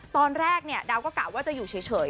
ตอนแรกดาวก็กะว่าจะอยู่เฉย